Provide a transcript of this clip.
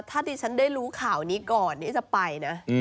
ถ้าดิฉันได้รู้ข่าวนี้ก่อนที่จะไปนะ